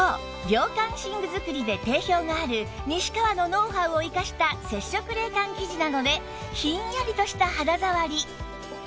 涼感寝具作りで定評がある西川のノウハウを生かした接触冷感生地なのでひんやりとした肌触り